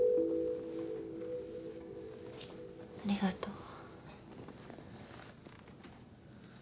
ありがとう。